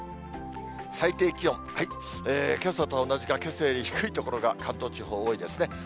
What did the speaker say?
最低気温、けさと同じか、けさより低い所が関東地方、多いですね。